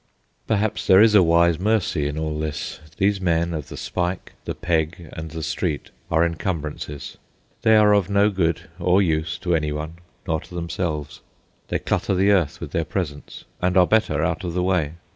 Perhaps there is a wise mercy in all this. These men of the spike, the peg, and the street, are encumbrances. They are of no good or use to any one, nor to themselves. They clutter the earth with their presence, and are better out of the way.